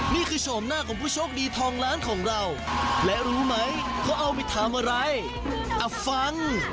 โฉมหน้าของผู้โชคดีทองล้านของเราและรู้ไหมเขาเอาไปทำอะไรอ่ะฟัง